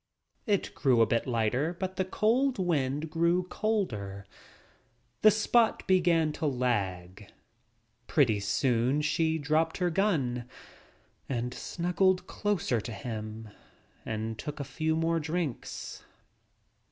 It grew a bit lighter but the cold wind grew colder. The sport began to lag. Pretty soon she dropped her gun and snuggled closer to him and took a few more drinks.